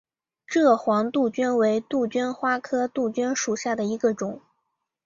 蔗黄杜鹃为杜鹃花科杜鹃属下的一个种。